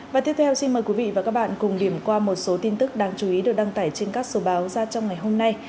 và tiếp theo xin mời quý vị và các bạn cùng điểm qua một số tin tức đáng chú ý được đăng tải trên các số báo ra trong ngày hôm nay